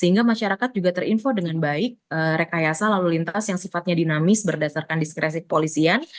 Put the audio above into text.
sehingga masyarakat juga terinfo dengan baik rekayasa lalu lintas yang sifatnya dinamis berdasarkan diskresi kepolisian